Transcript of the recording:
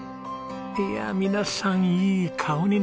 いやあ皆さんいい顔になりました。